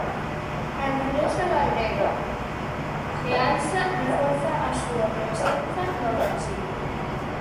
A empresa galega Jealsa reforza a súa presenza no Brasil.